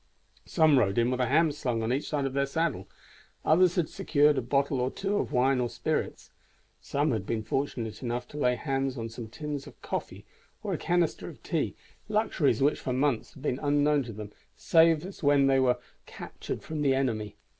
Some rode in with a ham slung on each side of their saddle, others had secured a bottle or two of wine or spirits. Some had been fortunate enough to lay hands on some tins of coffee or a canister of tea, luxuries which for months had been unknown to them save when they were captured from the enemy.